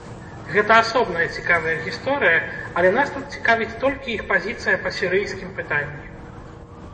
Гэта асобная цікавая гісторыя, але нас тут цікавіць толькі іх пазіцыя па сірыйскім пытанні.